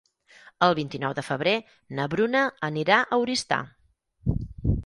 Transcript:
El vint-i-nou de febrer na Bruna anirà a Oristà.